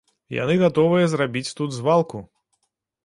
Яны гатовыя зрабіць тут звалку.